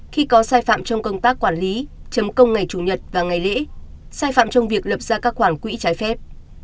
khi có sai phạm trong công tác quản lý chấm công ngày chủ nhật và ngày lễ sai phạm trong việc lập ra các khoản quỹ trái phép